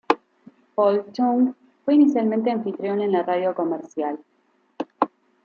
Paul Chung fue inicialmente anfitrión en la Radio Comercial.